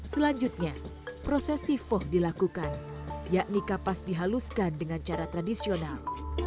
selanjutnya proses sifoh dilakukan yakni kapas dihaluskan dengan cara tradisional